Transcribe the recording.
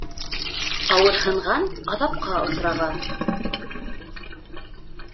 Ауырһынған аҙапҡа осраған.